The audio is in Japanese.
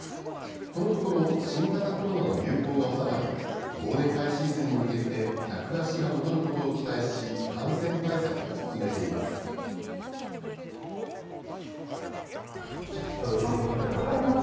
このところ、新型コロナの流行が収まり、忘年会シーズンに向けて、客足が戻ることを期待し、感染対策を進めています。